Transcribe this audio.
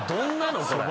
これ。